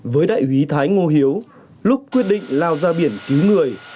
với đại úy thái ngô hiếu lúc quyết định lao ra biển cứu người